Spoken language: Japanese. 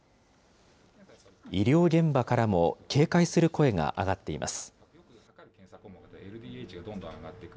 医療現場からも警戒する声が上がっています。